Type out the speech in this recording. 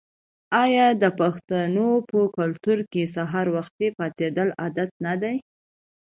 آیا د پښتنو په کلتور کې سهار وختي پاڅیدل عادت نه دی؟